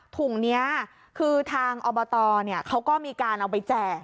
ถุงนี้คือทางอบตเขาก็มีการเอาไปแจก